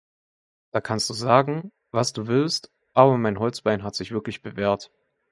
Da kannst du sagen, was du willst, aber mein Holzbein hat sich wirklich bewährt.